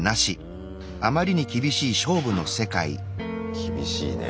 厳しいねえ。